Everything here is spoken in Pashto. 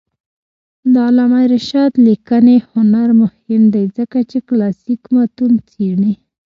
د علامه رشاد لیکنی هنر مهم دی ځکه چې کلاسیک متون څېړي.